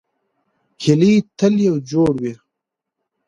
هیلۍ تل یو جوړ وي